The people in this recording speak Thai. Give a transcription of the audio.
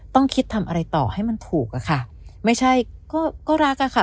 ต้องคิดทำอะไรต่อให้มันถูกอะค่ะไม่ใช่ก็ก็รักอะค่ะ